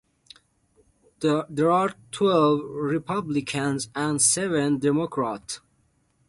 There are twelve Republicans and seven Democrats.